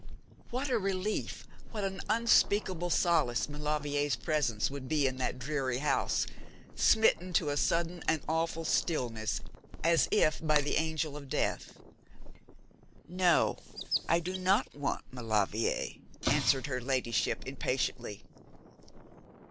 What a relief, what an unspeakable solace Maulevrier's presence would be in that dreary house, smitten to a sudden and awful stillness, as if by the Angel of Death! 'No, I do not want Maulevrier!' answered her ladyship impatiently.